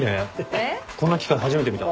こんな機械初めて見た。